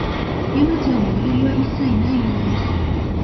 山ちゃんに悪気は一切ないようです